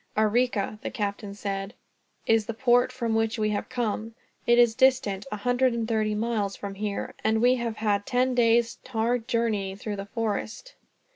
"Arica," the captain said, "is the port from which we have come. It is distant a hundred and thirty miles from here, and we have had ten days' hard journeying through the forest."